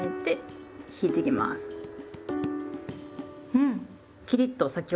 うん。